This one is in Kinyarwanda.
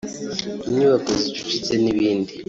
inyubako zicucitse n’ibindi